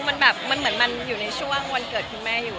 มันแบบมันเหมือนมันอยู่ในช่วงวันเกิดคุณแม่อยู่